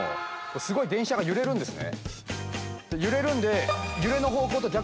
すごい電車が揺れるんですね。